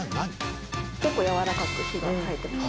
結構やわらかく火が入ってます。